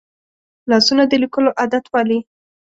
لاسونه د لیکلو عادت پالي